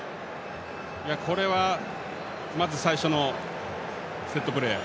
これは、まず最初のセットプレー。